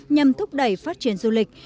nhằm thúc đẩy phát triển du lịch